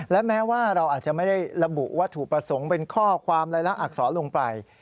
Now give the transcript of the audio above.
และแม้ว่าเราอาจจะไม่ได้ระบุวัตถุประสงค์เป็นข้อความรายละอักษรลงไป